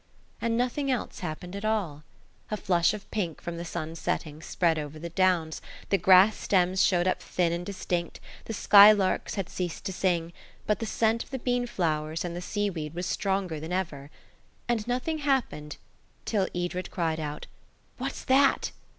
And nothing else happened at all. A flush of pink from the sun setting spread over the downs, the grass stems showed up thin and distinct, the skylarks had ceased to sing, but the scent of the bean flowers and the seaweed was stronger than ever. And nothing happened till Edred cried out, "What's that?"